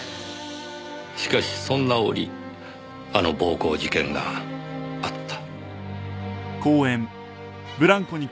しかしそんな折あの暴行事件があった。